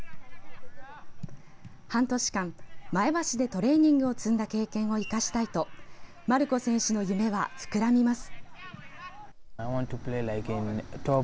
半年間、前橋でトレーニングを積んだ経験を生かしたいとマルコ選手の夢は膨らみます。